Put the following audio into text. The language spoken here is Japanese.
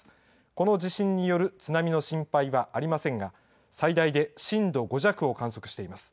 この地震による津波の心配はありませんが、最大で震度５弱を観測しています。